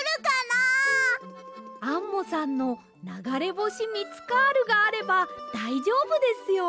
アンモさんのながれぼしミツカールがあればだいじょうぶですよ。